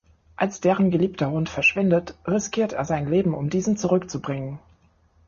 Als deren geliebter Hund verschwindet, riskiert er sein Leben um diesen zurückzubringen.